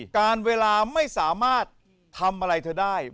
การเวลาไม่สามารถทำอะไรเธอได้